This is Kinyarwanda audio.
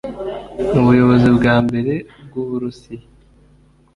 Mu buyobozi bwa mbere bw’u Burusiya